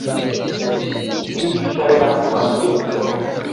Vi ŝajnis malfeliĉa.